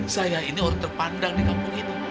saya ini orang terpandang di kampung itu